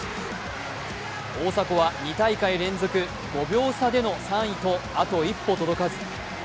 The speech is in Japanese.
大迫は２大会連続、５秒差での３位とあと一歩届かず。